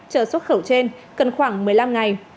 chờ xuất khẩu trên cần khoảng một mươi năm ngày